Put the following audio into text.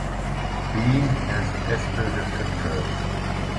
Bean has Asperger syndrome.